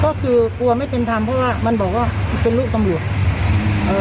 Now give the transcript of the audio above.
ก็คือกลัวไม่เป็นธรรมเพราะว่ามันบอกว่าเป็นลูกตำรวจเอ่อ